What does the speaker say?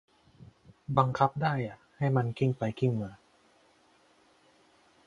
บังคับได้อะ ให้มันกลิ้งไปกลิ้งมา